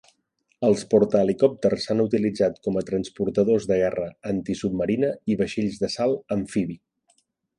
Els portahelicòpters s'han utilitzat com a transportadors de guerra antisubmarina i vaixells d'assalt amfibi.